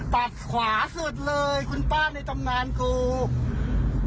ปากขวาสุดเลยคุณป้าในตำนานคือ